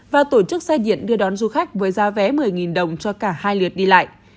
và tổ chức xe điện đưa đón du khách với giá vé một mươi đồng cho cả hai lượt đi lại